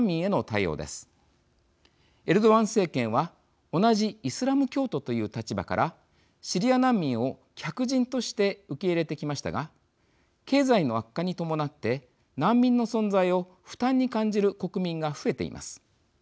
エルドアン政権は同じイスラム教徒という立場からシリア難民を客人として受け入れてきましたが経済の悪化に伴って難民の存在を負担に感じる国民が増えています。